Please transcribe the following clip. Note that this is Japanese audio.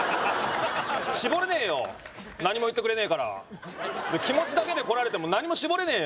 絞れねえよ何も言ってくれねえから気持ちだけでこられても何も絞れねえよ